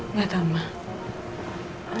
nggak tahu nga